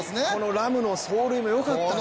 ラムの走塁も良かったですね。